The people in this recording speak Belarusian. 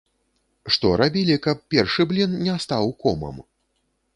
Што рабілі, каб першы блін не стаў комам?